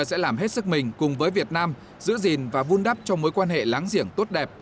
sẽ làm hết sức mình cùng với việt nam giữ gìn và vun đắp cho mối quan hệ láng giềng tốt đẹp